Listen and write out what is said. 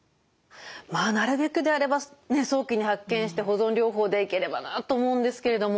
まあなるべくであれば早期に発見して保存療法でいければなと思うんですけれども。